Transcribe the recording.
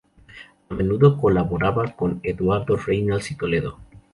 A menudo colaboraba con Eduardo Reynals y Toledo.